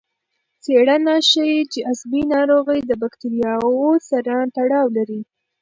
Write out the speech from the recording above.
څېړنه ښيي چې عصبي ناروغۍ د بکتریاوو سره تړاو لري.